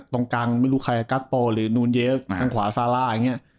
ตรงกลางไม่รู้ใครการ์ดโปร์หรือนูลเยฟตรงขวาซาร่า